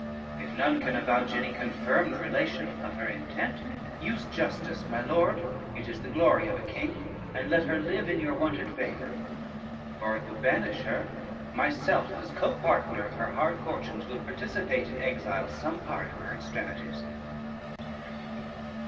If none can avouch any confirmed relation of her intent, use justice, my lord, it is the glory of a king, and let her live in your wonted favor; for if you banish her, myself, as copartner of her hard fortunes, will participate in exile some part of her extremities."